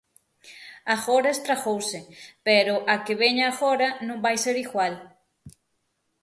Agora estragouse, pero a que veña agora non vai ser igual.